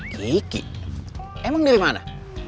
kiki emang dari mana